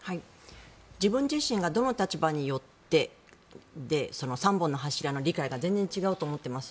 自分自身がどの立場によってで３本の柱の理解が全然違うと思っています。